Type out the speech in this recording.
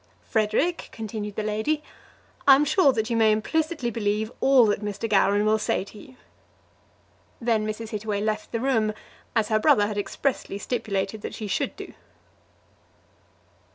"Frederic," continued the lady, "I am sure that you may implicitly believe all that Mr. Gowran will say to you." Then Mrs. Hittaway left the room, as her brother had expressly stipulated that she should do.